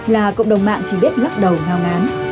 là cộng đồng mạng chỉ biết lắc đầu ngao ngán